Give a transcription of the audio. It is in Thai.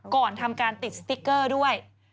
ก่อนทำการติดสติ๊กเกอร์ด้วย